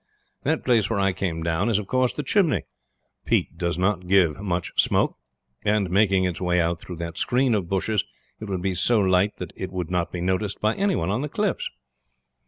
"That place where I came down is of course the chimney. Peat does not give much smoke, and making its way out through that screen of bushes it would be so light that it would not be noticed by any one on the cliffs.